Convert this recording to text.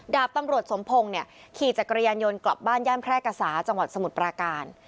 ดาบตำรวจสมพงศ์เนี่ยขี่จักรยานยนต์กลับบ้านย่านแพร่กษาจังหวัดสมุทรปราการ